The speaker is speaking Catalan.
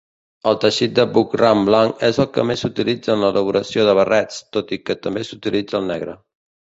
El teixit de Buckram blanc és el que més s'utilitza en l'elaboració de barrets, tot i que també s'utilitza el negre.